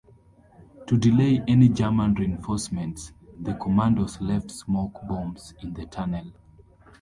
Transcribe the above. To delay any German reinforcements, the commandos left smoke bombs in the tunnel.